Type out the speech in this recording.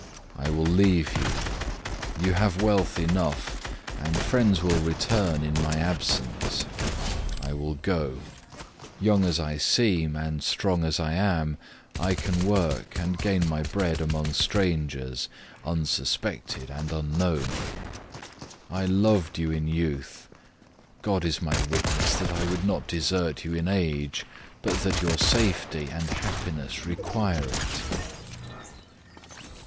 I will leave you you have wealth enough, and friends will return in my absence. I will go; young as I seem, and strong as I am, I can work and gain my bread among strangers, unsuspected and unknown. I loved you in youth; God is my witness that I would not desert you in age, but that your safety and happiness require it."